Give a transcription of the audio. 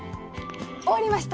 終わりました！